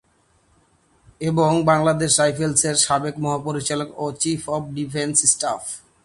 এবং বাংলাদেশ রাইফেলসের সাবেক মহাপরিচালক ও চিফ অব ডিফেন্স স্টাফ।